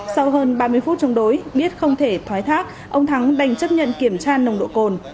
sau hơn ba mươi phút chống đối biết không thể thoái thác ông thắng đành chấp nhận kiểm tra nồng độ cồn